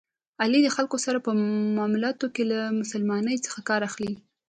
علي د خلکو سره په معاملاتو کې له مسلمانی څخه کار اخلي.